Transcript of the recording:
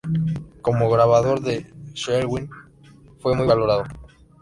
Como grabador, Sherwin fue muy valorado.